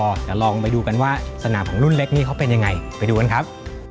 จะลองไปดูกันว่าสนามของรุ่นเล็กนี่เขาเป็นยังไงไปดูกันครับ